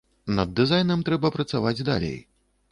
Над дызайнам трэба працаваць далей.